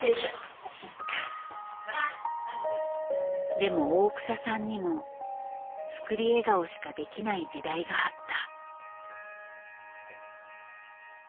でも大草さんにも作り笑顔しかできない時代があった。